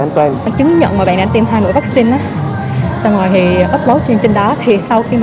an toàn chứng nhận mà bạn đã tiêm hai ngũ vaccine á xong rồi thì upload trên trên đó thì sau khi mà